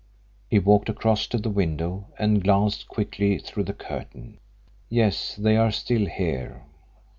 He walked across to the window and glanced quickly through the curtain. "Yes, they are still here."